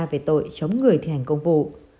về tội chống người thi hành công vụ